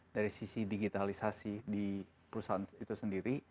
dari sisi digitalisasi di perusahaan itu sendiri